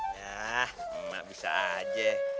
yah emak bisa aja